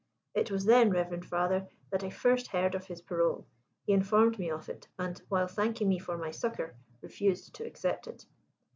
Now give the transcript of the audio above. "It was then, reverend father, that I first heard of his parole. He informed me of it, and while thanking me for my succour, refused to accept it.